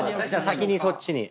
先にそっちに。